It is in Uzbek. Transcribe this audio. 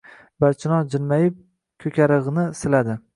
Barchinoy jilmayib, ko‘karig‘ni siladi